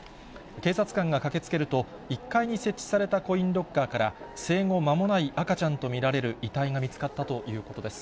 警察官が駆けつけると、１階に設置されたコインロッカーから、生後まもない赤ちゃんと見られる遺体が見つかったということです。